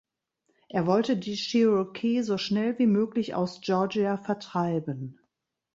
Er wollte die Cherokee so schnell wie möglich aus Georgia vertreiben.